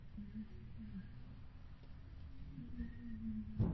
Udělat z této praktiky obyčej, je samo o sobě zločin.